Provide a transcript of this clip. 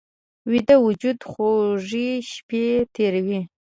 ویده وجود خوږې شیبې تېروي